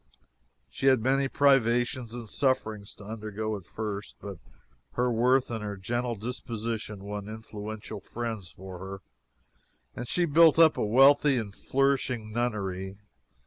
She had many privations and sufferings to undergo at first, but her worth and her gentle disposition won influential friends for her, and she built up a wealthy and flourishing nunnery.